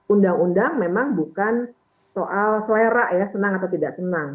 undang undang memang bukan soal selera ya senang atau tidak senang